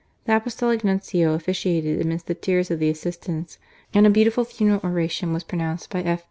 The Apostolic Nuncio officiated amidst the tears of the assistants, and a beautiful funeral oration was pronounced by F.